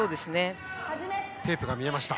テープが見えました。